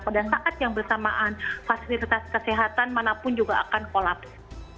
pada saat yang bersamaan fasilitas kesehatan manapun juga akan kolaps